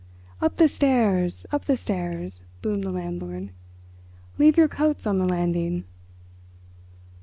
"Up the stairs—up the stairs!" boomed the landlord. "Leave your coats on the landing."